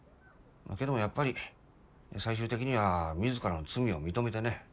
まあけどもやっぱり最終的には自らの罪を認めてね。